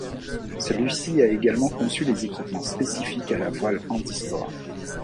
Celui-ci a également conçu les équipements spécifiques à la voile handisport.